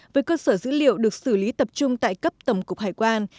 với cơ sở dữ liệu được xử lý tập trung tại cấp tổng cục hải quan